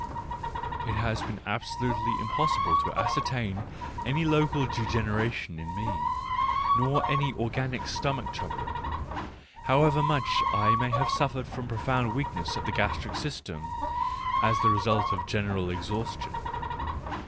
It has been absolutely impossible to ascertain any' local < degeneration in me, nor any organic stomach trouble, however much I may have suffered from profound weakness of the gastric system as the result of general exhaustion.